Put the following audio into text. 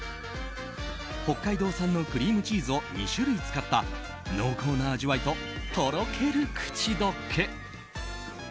北海道産のクリームチーズを２種類使った濃厚な味わいと、とろける口溶け。